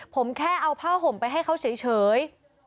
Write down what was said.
ผมแค่เอาผ้าห่มไปให้เขาเฉย